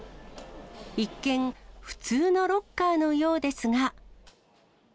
一見、普通のロッカーのようですが。